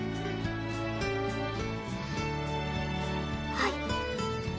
はい。